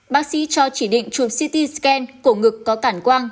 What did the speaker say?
bác sĩ cho chỉ định chuộc ct scan cổ ngực có cản quang